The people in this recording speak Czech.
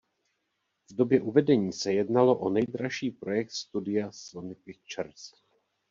V době uvedení se jednalo o nejdražší projekt studia Sony Pictures.